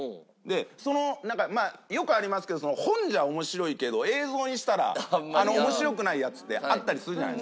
そのなんかよくありますけど本じゃ面白いけど映像にしたら面白くないやつってあったりするじゃないですか。